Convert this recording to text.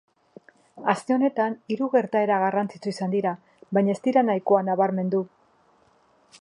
Aste honetan hiru gertaera garrantzitsu izan dira, baina ez dira nahikoa nabarmendu.